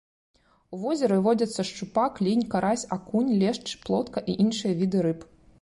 У возеры водзяцца шчупак, лінь, карась, акунь, лешч, плотка і іншыя віды рыб.